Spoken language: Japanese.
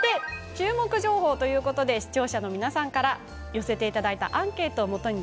注目情報ということで視聴者の皆さんから寄せていただいたアンケートをもとに